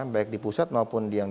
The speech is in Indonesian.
baik di pusat maupun yang